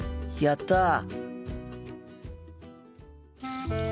やった！